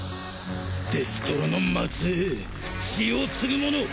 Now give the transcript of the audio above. デストロの末裔血を継ぐ者